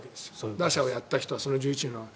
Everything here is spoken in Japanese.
打者をやった人はその１１人の中に。